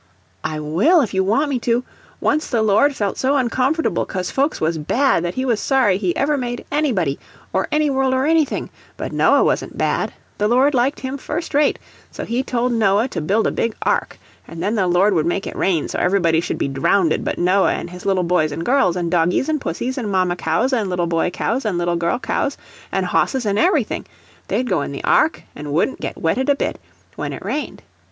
"I will, if you want me to. Once the Lord felt so uncomfortable cos folks was bad that he was sorry he ever made anybody, or any world or anything. But Noah wasn't bad the Lord liked him first rate, so he told Noah to build a big ark, and then the Lord would make it rain so everybody should be drownded but Noah an' his little boys an' girls, an' doggies an' pussies an' mama cows an' little boy cows an' little girl cows an' hosses an' everything they'd go in the ark an' wouldn't get wetted a bit, when it rained.